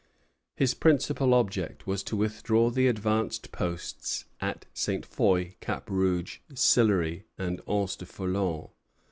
His principal object was to withdraw the advanced posts at Ste. Foy, Cap Rouge, Sillery, and Anse du Foulon.